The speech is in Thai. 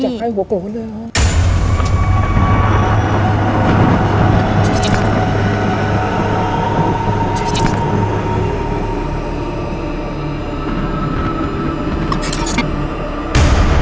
จะให้หัวกลัวเลยเหรอ